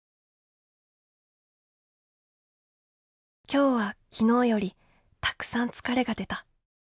「今日は昨日よりたくさん疲れが出た。